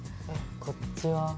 こっちは？